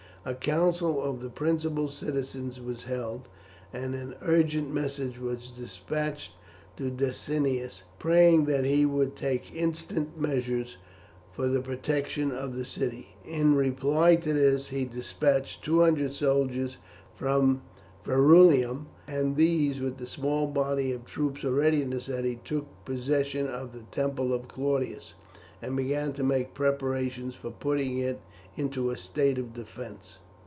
A council of the principal citizens was held, and an urgent message despatched to Decianus, praying that he would take instance measures for the protection of the city. In reply to this he despatched two hundred soldiers from Verulamium, and these with the small body of troops already in the city took possession of the Temple of Claudius, and began to make preparations for putting it into a state of defence.